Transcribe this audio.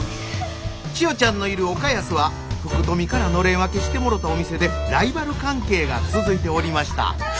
千代ちゃんのいる岡安は福富からのれん分けしてもろたお店でライバル関係が続いておりました。